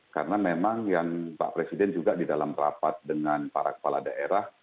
karena memang yang pak presiden juga di dalam rapat dengan para kepala daerah